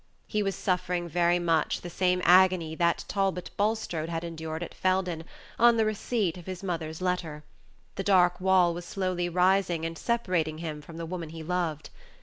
He was suffering very much the same agony that Talbot Bulstrode had endured at Felden on the receipt of his mother's letter. The dark wall was slowly rising and separating him from the woman he loved.